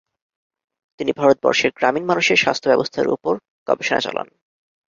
তিনি ভারতবর্ষের গ্রামীণ মানুষের স্বাস্থ্য ব্যবস্থার ওপর গবেষণা চালান।